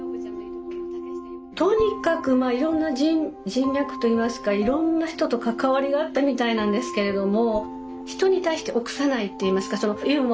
とにかくまあいろんな人脈といいますかいろんな人と関わりがあったみたいなんですけれども。